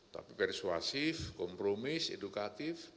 tapi persuasif kompromis edukatif